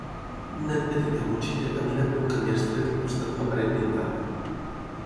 Un nen petit amb motxilla camina per un camí estret al costat d'una paret pintada.